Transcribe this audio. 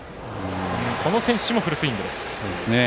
この選手もフルスイングです。